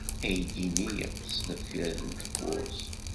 Aydi-nni yeḍḍes deffir tewwurt.